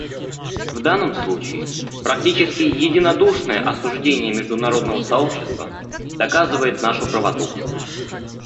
В данном случае практически единодушное осуждение международного сообщества доказывает нашу правоту.